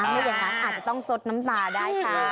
ไม่อย่างนั้นอาจจะต้องซดน้ำตาได้ค่ะ